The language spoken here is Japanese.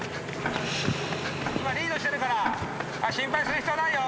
今リードしてるから心配する必要ないよ。